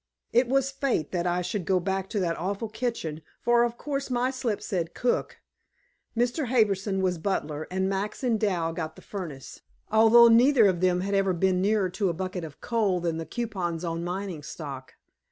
It was fate that I should go back to that awful kitchen, for of course my slip said "cook." Mr. Harbison was butler, and Max and Dal got the furnace, although neither of them had ever been nearer to a bucket of coal than the coupons on mining stock.